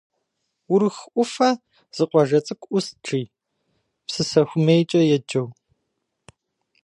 Урыху ӏуфэ зы къуажэ цӏыкӏу ӏуст, жи, Псысэхуэмейкӏэ еджэу.